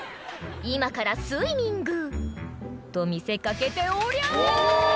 今からスイミングと見せかけて「おりゃ！」